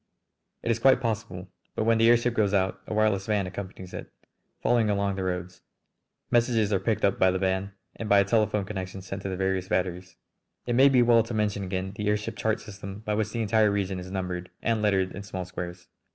"It is quite possible. But when the airship goes out a wireless van accompanies it, following along the roads. Messages are picked up by the van and by a telephone connection sent to the various batteries." It may be well to mention again the airship chart system by which the entire region is numbered and lettered in small squares.